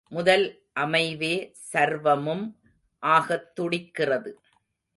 முதல் அமைவே சர்வமும் ஆகத் துடிக்கிறது.